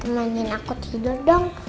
temanin aku tidur dong